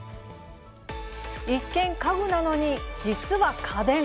一見、家具なのに実は家電。